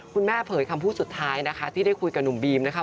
เผยคำพูดสุดท้ายนะคะที่ได้คุยกับหนุ่มบีมนะคะ